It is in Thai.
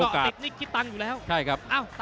ไล่เตะ